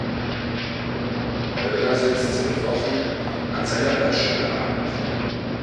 Holger sitzt seit Wochen an seiner Bachelor Arbeit.